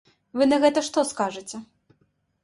Вы на гэта што скажаце?